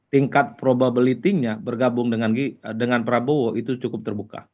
tingkat probability nya bergabung dengan prabowo itu cukup terbuka